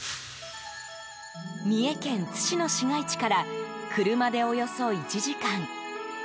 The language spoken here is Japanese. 三重県津市の市街地から車でおよそ１時間。